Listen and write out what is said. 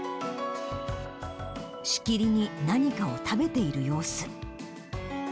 しきりに何かを食べている様子。